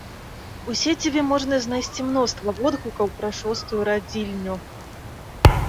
У сеціве можна знайсці мноства водгукаў пра шостую радзільню.